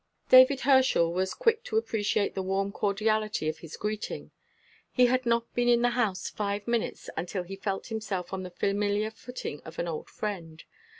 David Herschel was quick to appreciate the warm cordiality of his greeting. He had not been in the house five minutes until he felt himself on the familiar footing of an old friend.